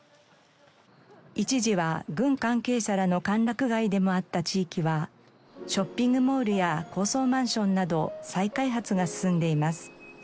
一時は軍関係者らの歓楽街でもあった地域はショッピングモールや高層マンションなど再開発が進んでいます。